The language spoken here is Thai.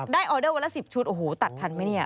ได้ออเดอร์วันละ๑๐ชุดตัดทันไหมนี่